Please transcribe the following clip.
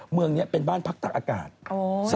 เมืองนี้เป็นบ้านพักตักอากาศ